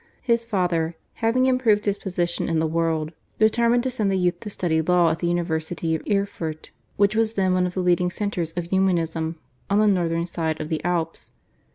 His father, having improved his position in the world, determined to send the youth to study law at the University of Erfurt, which was then one of the leading centres of Humanism on the northern side of the Alps.